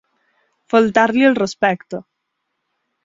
Faltar-li al respecte.